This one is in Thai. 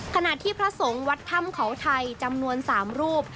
ขณะที่พระสงฆ์วัดถ้ำเขาไทยจำนวน๓รูป